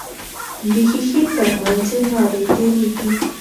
د ښیښې تر منځ یې نارې تیریږي.